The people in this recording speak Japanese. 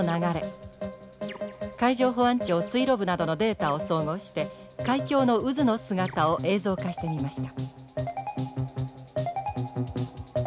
海上保安庁水路部などのデータを総合して海峡の渦の姿を映像化してみました。